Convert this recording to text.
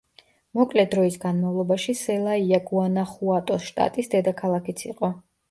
მოკლე დროის განმავლობაში, სელაია გუანახუატოს შტატის დედაქალაქიც იყო.